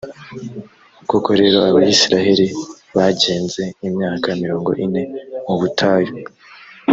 koko rero, abayisraheli bagenze imyaka mirongo ine mu butayu,